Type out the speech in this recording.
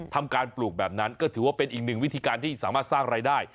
ทำการปลูกแบบนั้นก็ถือว่าเป็นอีกหนึ่งวิธีการที่สามารถสร้างรายได้